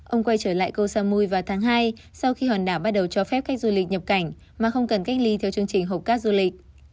ông quay trở lại koh samui vào tháng hai sau khi hòn đảo bắt đầu cho phép các du lịch nhập cảnh mà không cần cách ly theo chương trình hộp các du lịch